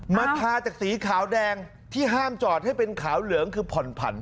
ทาจากสีขาวแดงที่ห้ามจอดให้เป็นขาวเหลืองคือผ่อนผัน